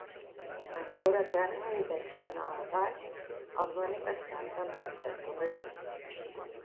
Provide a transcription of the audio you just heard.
En caure a terra i deixar anar el gas, els manifestants han marxat corrents.